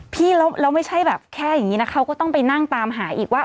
พี่แล้วไม่ใช่แบบแค่อย่างนี้นะเขาก็ต้องไปนั่งตามหาอีกว่า